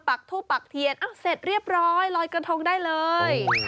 ปักทูบปักเทียนเสร็จเรียบร้อยลอยกระทงได้เลย